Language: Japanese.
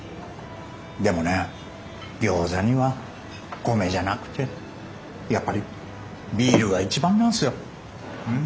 でもね餃子には米じゃなくてやっぱりビールが一番なんすよ。